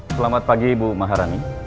selamat pagi ibu maharani